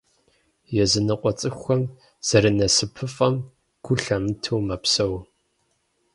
Языныкъуэ цӏыхухэм зэрынасыпыфӏэм гу лъамытэу мэпсэу.